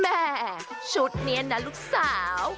แม่ชุดนี้นะลูกสาว